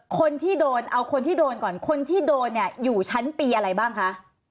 คนที่โดนเอาคนที่โดนก่อนคนที่โดนเนี่ยอยู่ชั้นปีอะไรบ้างคะ